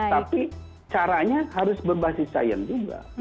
tapi caranya harus berbasis sains juga